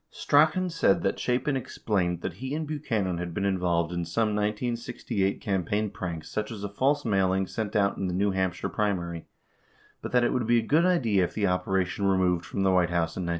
1 Strachan said that Chapin explained that he and Buchanan had been involved in some 1968 campaign pranks such as a false mailing sent out in the New Hampshire primary, 2 but that it would be a good idea if the operation were moved from the White House in 1972.